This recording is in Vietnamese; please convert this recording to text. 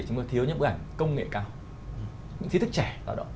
chúng ta thiếu những bức ảnh công nghệ cao những trí thức trẻ lao động